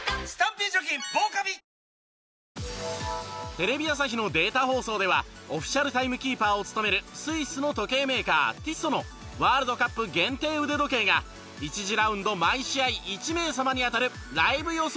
テレビ朝日のデータ放送ではオフィシャルタイムキーパーを務めるスイスの時計メーカーＴＩＳＳＯＴのワールドカップ限定腕時計が１次ラウンド毎試合１名様に当たるライブ予想